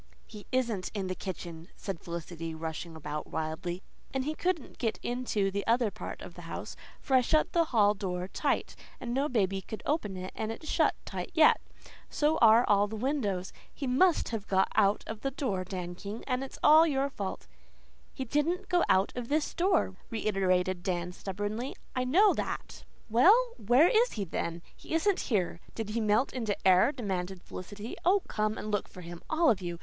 "He isn't in the kitchen," said Felicity rushing about wildly, "and he couldn't get into the other part of the house, for I shut the hall door tight, and no baby could open it and it's shut tight yet. So are all the windows. He MUST have gone out of that door, Dan King, and it's your fault." "He DIDN'T go out of this door," reiterated Dan stubbornly. "I know that." "Well, where is he, then? He isn't here. Did he melt into air?" demanded Felicity. "Oh, come and look for him, all of you.